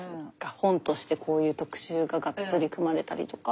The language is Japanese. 本としてこういう特集ががっつり組まれたりとか。